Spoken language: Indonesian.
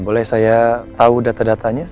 boleh saya tahu data datanya